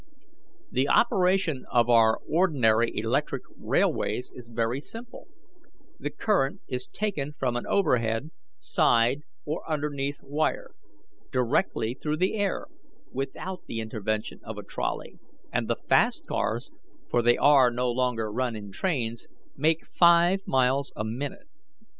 The operation of our ordinary electric railways is very simple: the current is taken from an overhead, side, or underneath wire, directly through the air, without the intervention of a trolley, and the fast cars, for they are no longer run in trains, make five miles a minute.